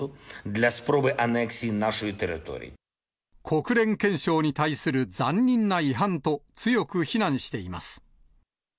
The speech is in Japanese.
国連憲章に対する残忍な違反と、強く非難しています。